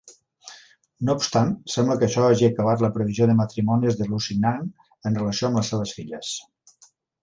No obstant, sembla que això hagi acabat la previsió de matrimonis de Lusignan en relació amb les seves filles.